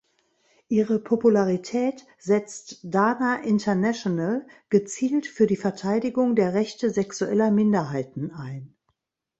Ihre Popularität setzt Dana International gezielt für die Verteidigung der Rechte sexueller Minderheiten ein.